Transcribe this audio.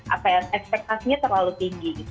apa ya ekspektasinya terlalu tinggi gitu